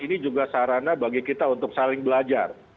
ini juga sarana bagi kita untuk saling belajar